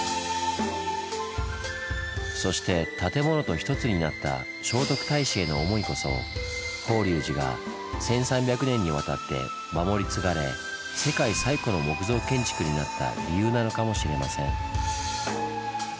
そして建物と一つになった聖徳太子への思いこそ法隆寺が１３００年にわたって守り継がれ世界最古の木造建築になった理由なのかもしれません。